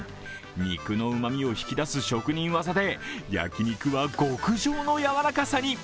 肉のうまみを引き出す職人技で焼き肉は極上のやわらかさに。